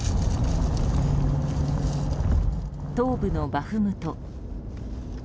東部のバフムト。